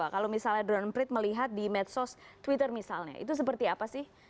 kalau misalnya droneprit melihat di medsos twitter misalnya itu seperti apa sih